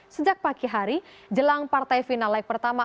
sejak pagi hari jelang partai final leg pertama